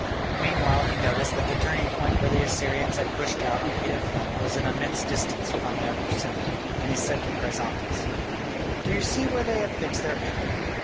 Meanwhile he noticed that the turning point where the Assyrians had pushed out on either flank was an immense distance from their centre, and he said to Chrysantas: "Do you see where they have fixed their angle?"